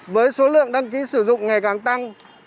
với số lượng đăng ký sử dụng ngày càng tăng